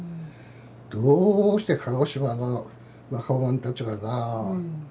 どうして鹿児島の若者たちがな。